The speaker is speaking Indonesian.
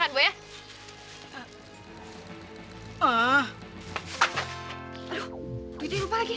aduh duitnya lupa lagi